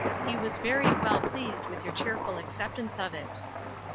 He was very well pleased with your cheerful acceptance of it.